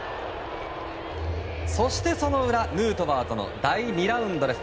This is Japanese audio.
そしてその裏、ヌートバーとの第２ラウンドです。